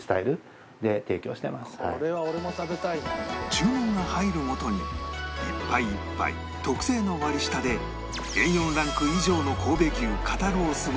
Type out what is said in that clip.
注文が入るごとに一杯一杯特製の割り下で Ａ４ ランク以上の神戸牛肩ロースを煮焼きに